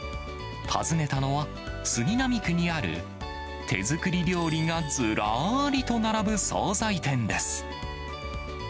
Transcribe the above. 訪ねたのは、杉並区にある手作り料理がずらーりと並ぶ総菜店です。